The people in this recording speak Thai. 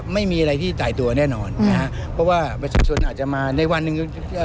ไม่มีอะไรที่จ่ายตัวแน่นอนนะฮะเพราะว่าประชาชนอาจจะมาในวันหนึ่งเอ่อ